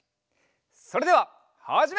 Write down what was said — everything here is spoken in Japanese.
それでははじめ！